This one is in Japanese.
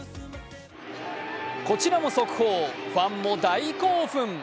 こちらも速報、ファンも大興奮。